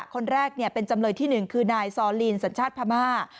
คนแรกเขาเป็นจำเลยที่หนึ่งคืนายซอลินสัญญาณชาติภาหม้า